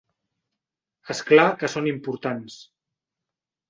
És clar, que són importants!